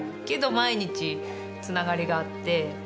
けど毎日つながりがあって。